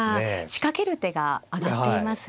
仕掛ける手が挙がっています。